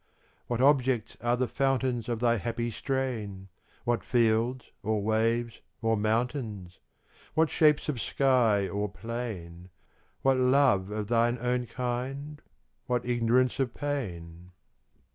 What objects are the fountains Of thy happy strain? What fields, or waves, or mountains? What shapes of sky or plain? What love of thine own kind? what ignorance of pain?